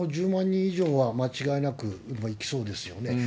１０万人以上は間違いなくいきそうですよね。